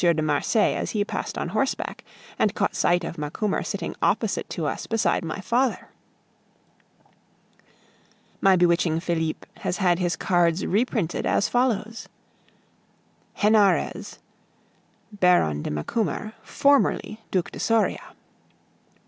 de Marsay as he passed on horseback and caught sight of Macumer sitting opposite to us beside my father. My bewitching Felipe has had his cards reprinted as follows: HENAREZ (Baron de Macumer, formerly Duc de Soria.)